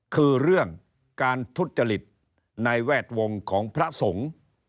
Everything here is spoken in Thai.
คือเรื่องการทุจริตในแวดวงของพระสงฆ์